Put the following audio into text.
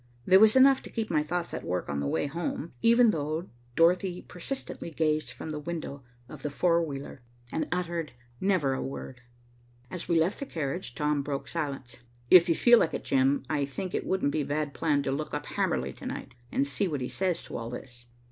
There was enough to keep my thoughts at work on the way home, even though Dorothy persistently gazed from the window of the four wheeler and uttered never a word. As we left the carriage, Tom broke silence. "If you feel like it, Jim, I think it wouldn't be a bad plan to look up Hamerly to night, and see what he says to all this."